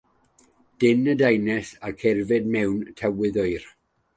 Dyn a dynes yn cerdded mewn tywydd oer.